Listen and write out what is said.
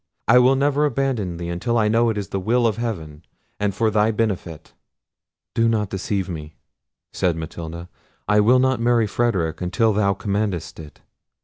I will never abandon thee, until I know it is the will of heaven, and for thy benefit." "Do not deceive me," said Matilda. "I will not marry Frederic until thou commandest it.